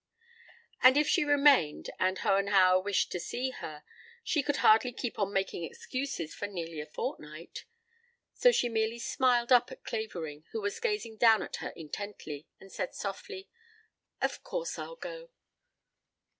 And if she remained and Hohenhauer wished to see her she could hardly keep on making excuses for nearly a fortnight. So she merely smiled up at Clavering, who was gazing down at her intently, and said softly: "Of course I'll go.